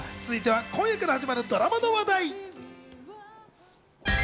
続いては今夜から始まるドラマの話題。